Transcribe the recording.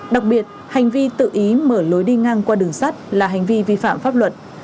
đặc biệt hành vi tự ý mở lối đi ngang qua đường sắt là hành vi vi phạm pháp luật